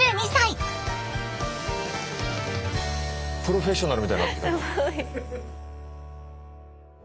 「プロフェッショナル」みたいになってきたな。